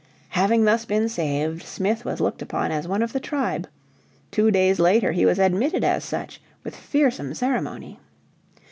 Having thus been saved, Smith was looked upon as one of the tribe. Two days later he was admitted as such with fearsome ceremony.